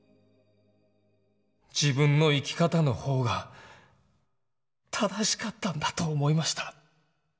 自分の生き方の方が正しかったんだと思いました。